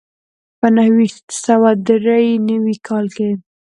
په نهه ویشت سوه دري نوي کال کې.